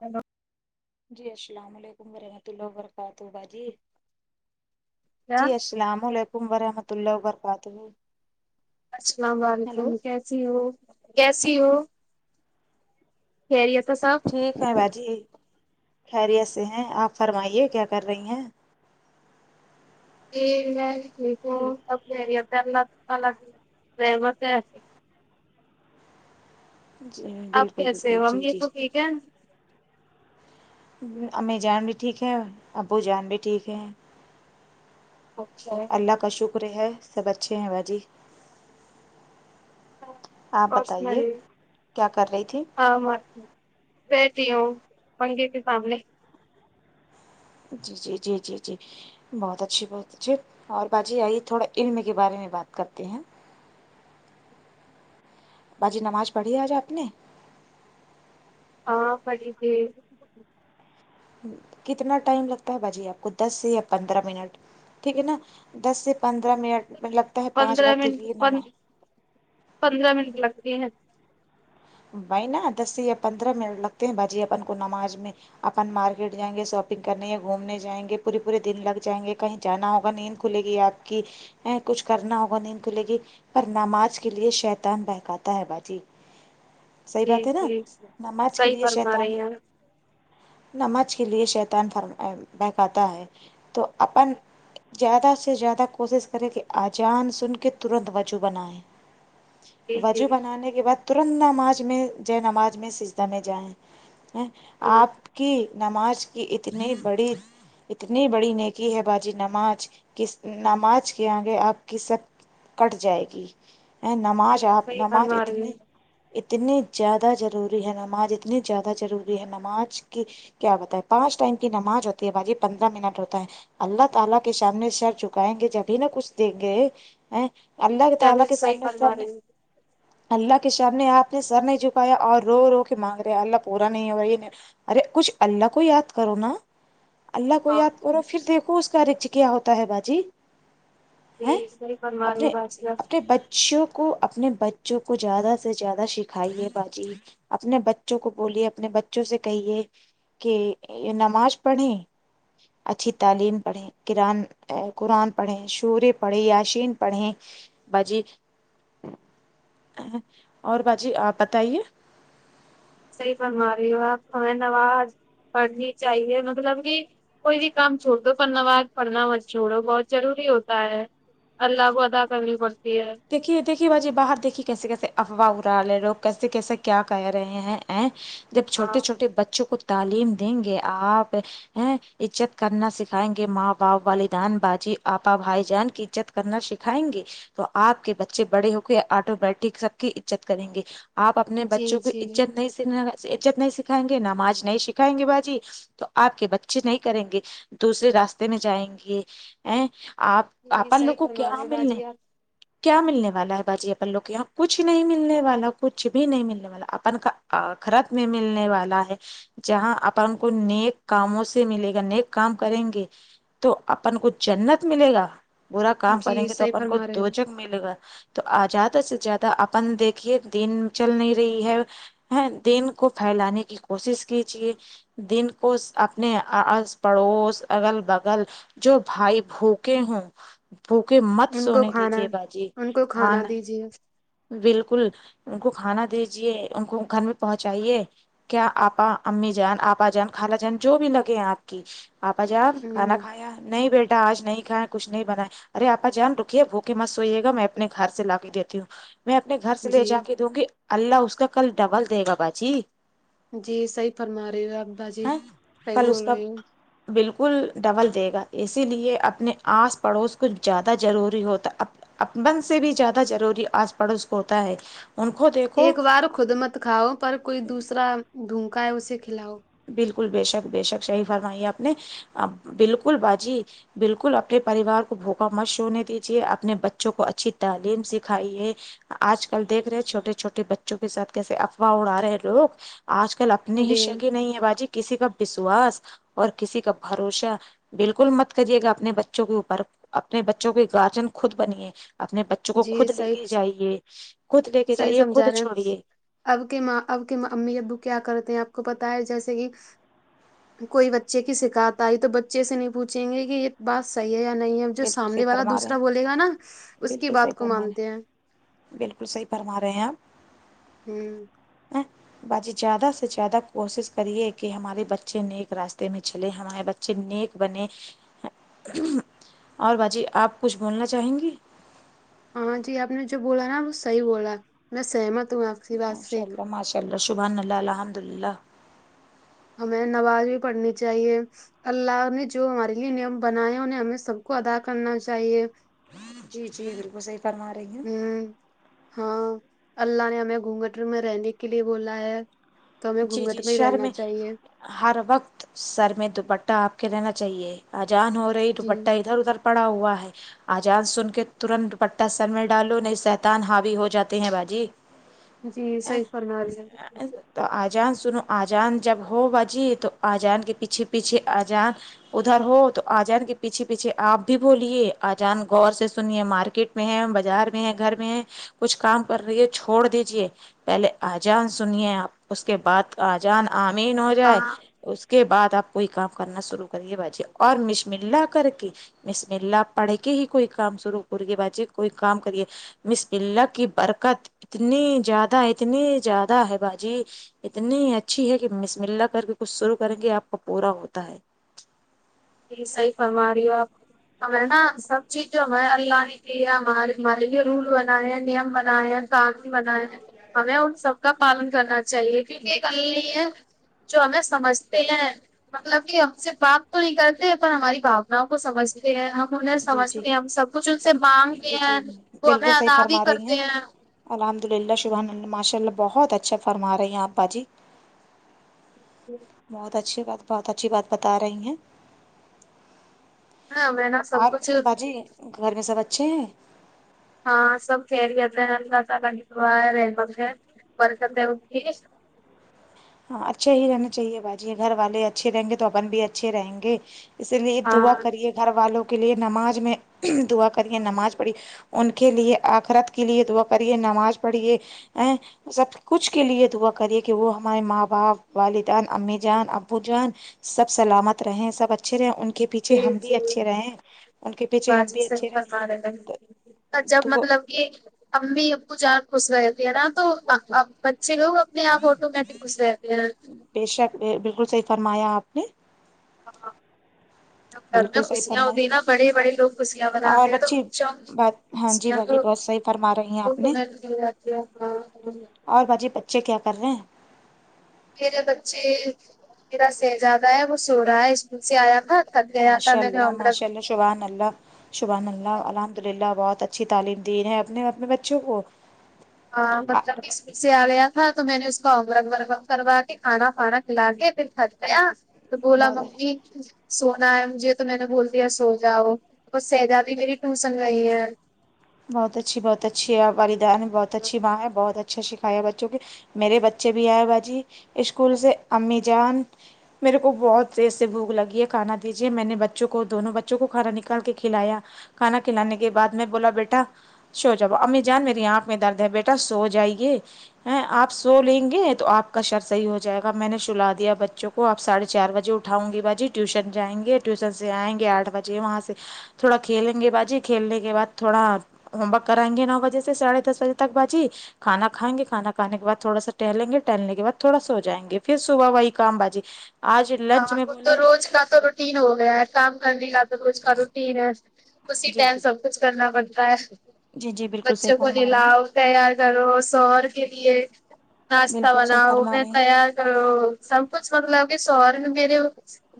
hello جی السلام علیکم ورحمۃ اللہ وبرکاتہ باجی کیا جی السلام علیکم ورحمۃ اللہ و برکاتہ سلام علیکم کیسی ہو کیسی ہو خیریت سے سب ٹھیک ہے باجی خیریت سے ہیں آپ فرمائیے کیا کر رہی ہیں [unintelligible] ہیلو [unintelligible] جی بالکل بالکل جی جی کیا امی جان بھی ٹھیک ہے ابو جان بھی ٹھیک ہے اچھا اللہ کا شکر ہے سب اچھے ہیں باجی آپ اور بتائیے سنائیے کیا کر رہی تھی ہاں [unintelligible] بیٹھی ہوں پنکھے کے سامنے جی جی جی جی جی بہت اچھی بہت اچھے اور باجی آئیے تھوڑا علم کے بارے میں بات کرتے ہیں باجی نماز پڑھی آج آپ نے ہاں پڑھی تھی کتنا ٹائم لگتا ہے باجی آپ کو دس سے یا پندرہ منٹ ٹھیک ہے نا دس سے پندرہ منٹ مطلب پندرہ منٹ پن پندرہ منٹ لگتی ہیں بھائی نا دس یا پندرہ منٹ لگتے ہیں باجی اپن کو نماز میں اپن مارکیٹ جائیں گے شاپنگ کرنے یا گھومنے جائیں گے پورے پورے دن لگ جائیں گے کہیں جانا ہوگا نیند کھلے گی آپ کی اے کچھ کرنا ہوگا نیند کھو لے گی پر نماج کے لیے شیطان بہکاتا ہے باجی صحیح جی بات ہے نا جی نماج کے صحیح لیے فرما شیطان رہی ہیں نماج کے لیے شیطان فرما بہکاتا ہے تو اپن جیادہ سے جیادہ کوسس کرے کہ آجان سن کے ترنت وجو بنائے جی جی وجو بنانے کے بعد ترنت نماج میں جے نماج میں سجدہ میں جائیں جی آپ کی نماز کی اتنی بڑی اتنی بڑی نیکی ہے باجی نماز ک نماز کے آگے آپ کی سب کٹ جائے گی ا نماز آپ صحیح نماز فرما رہی اتنی ہوں اتنی زیادہ ضروری ہے نماز اتنی زیادہ ضروری ہے نماز کی کیا بتائیں ہے پانچ ٹائم کی نماز ہوتی ہے باجی پندرہ منٹ ہوتا ہے اللہ تعالی کے سامنے سر جھکائیں گے جبھی نہ کچھ دیں گے اللہ تعالی چلو کے سا صحیح منے فرما سنے رہی ہوں اللہ کے سامنے اپ نے سر نہیں جھکایا اور رو رو کے مانگ رہے اللہ پورا نہیں ہو رہا یہ ارے کچھ اللہ کو یاد کرو نا اللہ کو یاد کرو ہاں پھر دیکھو اس کا رچ کیا ہوتا ہے باجی ہے جی صحیح فرما رہی ہو اپنے بادشاہ اپنے بچے شو کو اپنے بچوں کو زیادہ سے زیادہ سکھائیے باجی اپنے بچوں کو بولیے اپنے بچوں سے کہیے کہ یہ نماز پڑھیں اچھی تعلیم پڑھے کران قران پڑھیں شورے پڑھیں یاشین پڑھیں بجی اور باجی اپ بتائیے صحیح فرما رہی ہو اپ ہمیں نواز پڑھنی چاہیے مطلب کی کوئی بھی کام چھوڑدو کرنا پر نماز پڑھنا مت چھوڑو بہت ضروری ہوتا ہے اللہ کو ادا کرنی پڑتی ہے دیکھیے دیکھیے باجی باہر دیکھیے کیسے کیسے افواہ ا رہاالے لوگ کیسے کیسے کیا کہہ رہے ہیں ہیں جب ہاں چھوٹے چھوٹے بچوں کو تعلیم دیں گے آپ ہیں عزت کرنا سکھائیں گے ماں باپ بالدین باجی اپا بھائی جان کی عزت کرنا سکھائیں گے تو اپ کے بچے بڑے ہو کے اٹومیٹک سب کی عزت کریں گے اپ اپنے جی بچوں کو جی عزت نہیں سکھانا سکھائیں گے عزت نہیں سکھائیں گے نماز نہیں سکھائیں گے باجی تو اپ کے بچے نہیں کریں گے دوسرے راستے میں جائیں گے ایں اپ جی اپن لوگ صحیح کو فرما کیا رہے ہو ملنے باجی کیا ملنے والا ہے باجی اپن لوگ کے یہاں کچھ نہیں ملنے والا کچھ بھی نہیں ملنے والا اپن کا اخرت میں ملنے والا ہے جہاں اپن کو نیک کاموں سے ملے گا نیک کام کریں گے تو اپن کو جنت ملے گا برا آپ کام کریں جی گے تو صحیح اپن کو فرما رہے ہو دوجک ملے گا تو زیادہ سے زیادہ اپن دیکھیے دن چل نہیں رہی ہے ہے دین کو پھیلانے کی کوشش کیجیے دین کو اپنے اس پڑوس اگل بگل جو بھائی بھوکے ہوں بھوکے مت ان کو سونے دی جی کھانا باجی ان کو کھانا دیجیے بالکل ان کو کھانا دیجیے ان کو گھر میں پہنچائیے کیا اپا امی جان اپا جان خالا جان جو بھی لگے ہیں اپ کی آپا جان کھانا ہوں کھایا نہیں بیٹا اج نہیں کھایا کچھ نہیں بنائے ارے آپا جان رکیے بھوک کہ مت سوئیےگا میں اپنے گھر سے لا کے دیتی ہوں میں اپنے گھر سے لے جی جا کے دوں گی اللہ اس کا کل ڈبل کیا کہ ڈبل دے گا باجی جی صحیح فرما رہی ہو اپ باجی ہے صحیح کل اس بول کا رہی ہو بالکل ڈبل دے گا اسی لیے اپنے آس پڑوس کچھ زیادہ ضروری ہوتا اپن سے بھی زیادہ ضروری آس پڑوس کو ہوتا ہے ان کو دیکھو ایک بار خود مت کھاو پر کوئی دوسرا بھوکا ہے اسے کھلاو بالکل بے شک بے شک صحیح فرمائی آپ نے بالکل باجی بالکل اپنے پریوار کو بھوکا مش شوونے دیجیے اپنے بچوں کو اچھی تعلیم سکھائیے آج کل دیکھ رہے ہیں چھوٹے چھوٹے بچوں کے ساتھ کیسے افواہ اڑا رہے ہیں لوگ آج کل اپنے ہی جی شگے نہیں ہے باجی کسی کا وشواس اور کسی کا بھروسہ بالکل مت کریے گا اپنے بچوں کے اوپر اپنے بچوں کے اگارجن خود بنیے اپنے با کو جی خود لے صحیح کے جائیے خود لے کے صحیح جائیے خود سمجھا رہے ہیں چھوڑے اب کی ماں اب کی امی ابو کیا کرتے ہیں آپ کو پتا ہے جیسے کہ کوئی بچے کی سکھات آئی تو بچے سے نہیں پوچھیں گے کی یہ بات صحیح ہے یا نہیں ہے جو بالکل صحیح سامنے والا فرما رہے ہیں دوسرا بولے گا نا اس کی بالکل صحیح بات کو فرما رہے مانتے ہیں بالکل صحیح فرما رہے ہیں آپ ہوں ہیں باجی زیادہ سے زیادہ کوشش کریے کہ ہمارے بچے نیک راستے میں چلے ہمارے بچے چھ نیک بنے اور بھا جی آپ کچھ بولنا چاہیں گی ہاں جی آپ نے جو بولا نا وہ صحی بولا میں سہمت ہوں آپ کی بات ماشاء سے اللہ ماشاء اللہ شبحان اللہ الحمد للہ ہمیں نماز بھی پڑھنی چاہیے اللہ نے جو ہمارے لیے نیم بناائے ہیں انہیں ہمیں سب کو ادا کرنا چاہیے جی جی بالکل صحی فرما رہی ہے ہوں ہاں اللہ نے ہمیں گھونگٹر میں رہنے کے لیے بولا ہے تو ہمیں جی گھونگھٹ جی میں ہی شہر رہنا چاہیے ہر وقت سر میں دوپٹہ آپ کے رہنا چاہیے اجان ہو رہی جی دوپٹہ ادھر ادھر پڑا ہوا ہے آجان سن کے ترنت دپٹہ سر میں ڈالو نہیں شیتان ہاوی ہو جاتے ہیں باجی جی صحی فرمارہے ہے بک تو آجان سنو آجان جب ہو بجی تو آجان کے پیچھے پیچھے اجان ادھر ہو تو آجان کے پیچھے پیچھے آپ بھی بولیے آجان گور سے سنیے مارکیٹ میں ہے بازار میں ہے گھر میں ہے کچھ کام کر رہی ہے چھوڑ دیجے پہلے آجان سنیے آپ اس کے بعد اجان آمین ہو جائے ہاں اس کے بعد آپ کوئی کام کرنا شروع کریے باجی اور مشم اللہ کر کے مسم اللہ پڑھ کے ہی کوئی کام شروع کرے بجے کوئی کام کریے مس بلہ کی برکت اتنی زیادہ اتنی زیادہ ہے باجی اتنی اچھی ہے کہ مس م اللا کر کے کچھ شروع کریں گے آپ کا پورا ہوتا ہے یہ صحی فرم رہی ہو آپ ہم ہے نا سب چیز جو ہم اللہ نے کیے ہمارے ہمارے لیے رول بنائے ہیں نیم بنائے کای بنائے ہمیں ان سب کا پالن کرنا چاہیے کیونکہ ک نہیں ہے جو ہمیں سمجھتے ہیں مطلب کہ ہم سے بات تو نہیں کرتے پر ہماری باؤناؤں کو سمجھتے ہیں ہم انہیں جی جی سمجھتے ہیں ہم سب کچھ ان سے مانگتے جی ہیں جی وہ ہمیں بالکل صحیح ادا بھیی فرما رہی کرتے ہیں الحمد للہ شبحان ماشا اللہ بہت اچھا فرما رہے ہیں آپ باجی بہت اچھی بات بہت اچھی بات بتا رہی ہیں ہاں میں نہ اور باجی گھر میں سب اچھے ہیں ہاں سب خریٹ ہیں اللہ تعالی دعا ہے رہم ہے برکت ہے ان کی ہاں اچھے ہی رہنے چاہیے باجی گھر والے اچھے رہیں گے تو اپن بھی اچھے رہیں گے اسی لیے دعا ہاں کریے گھر والوں کے لیے نماز میں دعا کریے نماز پڑھی ان کے لیے آخرت کے لیے دعا کریے نماز پڑھیے ا سب کچھ کے لیے دعا کری کہ وہ ہمارے ماں باپ والدان امی جان ابو جان سب سلامت رہے سب اچا اچھے رہے ان کے پیچھے جی ہم بھی جی اچھے رہے ان کے پیچھے ہم بھی اچھے رہے اچھا تو مطلب کہ امی ابو جان خوش رہتے ہیں نا تو بچے لوگ اپنے آپ آٹو میںٹ خوش رہتے ہیں بےشک بالکل صحیح فرمایا آپ نے ہاں گھر میں بالکل صحیح خوشیا فرمایا ہوتی ہیں نا بڑے بڑے لوگ خوشیاں مناتے اور ہیں تو بچی بات ہاں جی باجی بہت صحیح فرما رہی ہیں آپ نے [unintelligible] اور باجی بچے کیا کر رہے ہیں میرے بچے میرا سہزادہ ہے وہ سو رہا ہے اسکول سے آیا تھا تھک گیا تھا ماشاء اللہ ماشاء اللہ شبحان اللہ شبان اللہ الحمد للہ بہت اچھی تعلیم دی ہے اپنے اپنے بچوں کو ہاں مطلب اسکول سے آ گیا تھا تو میں نے اس کو ارگ وورگ کروا دی کھانا پھانا کھلا کے پکھھ گیا تو بولا بہت ممی سونا ہے مجھے تو میں نے بول دیا سو جاؤ اور سہجادی کا بھی ٹیوسن گئی ہے بہت اچھی بہت اچھی ہے والدین ہے بہت اچھی ماں ہے بہت اچھی اچھا سکھایا بچوں کے میرے بچے بھی آئے باجی اسکول سے امی جان میرے کو بہت تیز سے بھوک لگی ہے کھانا دیجیے میں نے بچوں کو دونوں بچوں کو کھانا نکال کے کھلایا کھانا کھلانے کے بعد میں بولا بیٹا سو جا امی جان میری آنکھ میں درد ہے بیٹا سو جائیے آپ سو لیں گے تو آپ کا شر صحیح ہو جائے گا میں نے سلا دیا بچوں کو وہ آپ ساڑھے چار بجے اٹھاؤں گی باجی ٹیوشن جائیں گے ٹیوشن سے آئیں گے آٹھ بجے وہاں سے تھوڑا کھیلیں گے باجی کھیلنے کے بعد تھوڑا ہوم ورک کرائیں گے نو بجے سے ساڑھے دس بجے تک باجی کھا کھائیں گے کھانا کانے کے بعد تھوڑا سا ٹہلیں گے ٹہلنے کے بعد تھوڑا سو ہو جائیں گے پھر صبح وہی کام باجی آج لنچ ہاں میں وہ تو بولے روز نہ تو رو روٹین ہو گیا ہے کام کرنے کا تو روز کا روٹین ہے اسی جی ٹائم جی سب کچھ کرنا پڑتا ہے جی جی بالکل صحیح بچوں کو فرمارہے ہیں نلاؤ تیار کرو شوہر کے لیے ناشتہ بالکل صحیح بناؤ فرما پھر رہے ہیں تیار کرو سب کچھ مطلب کہ سور نے میرے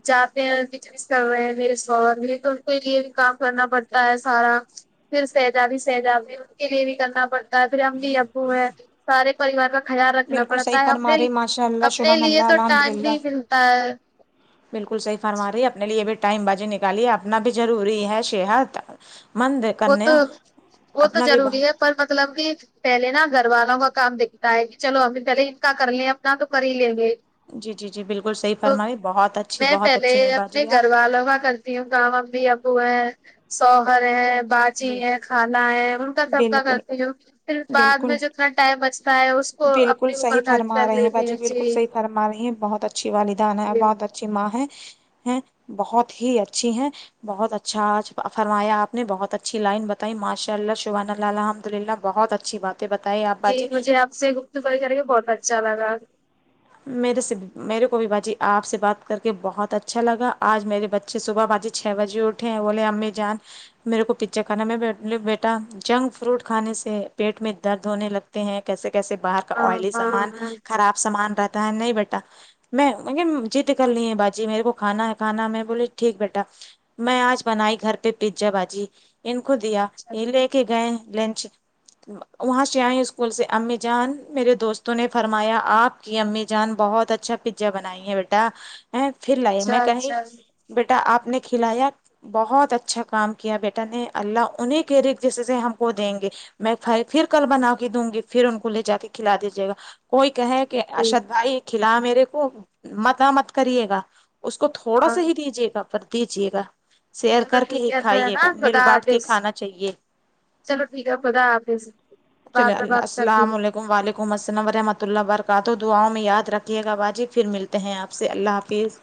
جاتے ہیں بجنس کر رہے ہیں میرے شوہر انکو کے لیے بھی کام کرنا پڑتا ہے سارا پھر سہزابی سہزابی ان کے لیے بھی کرنا پڑتا ہے پھر امی ابو ہے سارے پریوار کا خیال رکھنا بالکل صحیح پڑتا ہے اپنے فرما رہے ہیں، ماشاء اللہ اپنے شبحان لیے اللہ تو الحمد ٹائم للہ نہیں ملتا ہے بالکل صحیح فرما رہی ہے اپنے لیے بھی ٹائم باجی نکالیے اپنا بھی ضروری ہے صحت مندند کر وہ تو آ وہ تو اپنا بھی بہت ضروری ہے پر مطلب کہ پہلے نا گھر والوں کا کام دیکھتا ہے کہ چلو ا پہلے ان کا کر لیں اپنا تو کر ہی لیں گے جی جی جی بالکل صحیح تو فرمائی بہت اچھی بہت اچھی ہیں باجی آپ [unintelligible] تی ہوں گاوا امی ابو ہے سوہر ہے باچی ہے بالکل کھانا ہے ان کا سب بالکل کرتے ہو پھر بعد بالکل میں جو اتنا ٹائم بچتا ہے اس کو بالکل اپنے صحیح اوپر خرچ فرما کر رہے ہیں لیتے باجی بالکل جی صحیح فرما رہی ہیں بہت اچھی والدین ہے بہت اچھا اچھی ماں ہے بہت ہی اچھی ہے بہت اچھا آج فرمایا آپ نے بہت اچھی لائن بتائی ماشاء اللہ شبان اللہ الحمد للہ بہت اچھی بات بتائیں آپ جی باجی مجھے آپ سے گفتگو کرے کے بہت اچھا لگا میرے سے میرے کو بھی باجی آپ سے بات کر کے بہت اچھا لگا آج میرے بچ اچھے صبح باجی چھ بجے اٹھے ہیں بولے امی جان میرے کو پیزا کھانا میں بیٹا جنک فروٹ کھانے سے پیٹ میں درد ہونے لگتا ہیں کیسے کیسے باہر کا ہاں آئلی ہاں سامان ہاں خراب سامان رہتا ہے نہیں بیٹا نہیں میں نے جید کرلی ہے باجی میرے کو کھانا ہے کھانا ہے میں بولیے ٹھیک بیٹا میں آج بنائی گھر پہ بنائی پیجا باجی ان کو دیا اچھا یہ لے کے گئے لنچ وہاں سے آئے اسکول سے امی جان میرے دوستوں نے فرمایا آپ کی امی جان بہت اچھا پیزا بنائی ہے بیٹا ا پھر لائی میں اچھا کہی اچھا بیٹا آپ نے کھلایا بہت اچھا کام کیا بیٹا نے اللہ انہیں کے رزق سے ہم کو دیں گے میںائی پھر کل بنا کے دوں گی پھر ان کو لے جا کے کھلا دیجیے گا کوئی کہے کہ جی ارشد بھائی کھلا میرے کو متا مت کاریے گا اس کو تھوڑا سا ہی ہاں دیجیے گا پر دیجیے گا سیر چلو کر کے ٹھیک ہی ہے تو ہے کھائیے نا گا مل خدا بانٹ کے حافظ کھانا چاہیے چلو ٹھیک ہے خدا حافظ بعد چلے میں بات کرتی السلام علیکم وعلیکم السلام و رحمۃ اللہ برکاتہ دعاؤں میں یاد رکھیے گا باجی پھر ملتے ہیں آپ سے اللہ حافظ